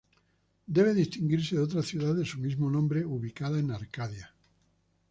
Debe distinguirse de otra ciudad de su mismo nombre ubicada en Arcadia.